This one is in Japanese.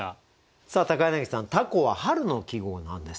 さあ柳さん「凧」は春の季語なんですね。